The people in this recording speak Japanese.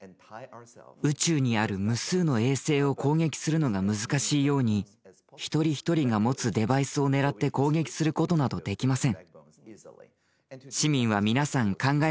宇宙にある無数の衛星を攻撃するのが難しいように一人一人が持つデバイスを狙って攻撃することなどできません。